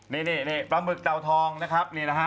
นี่ปลาหมึกเตาทองนะครับ